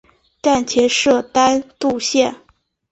站前设单渡线。